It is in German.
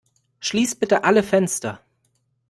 Schließ bitte alle Fenster!